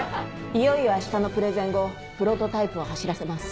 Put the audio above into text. いよいよ明日のプレゼン後プロトタイプを走らせます。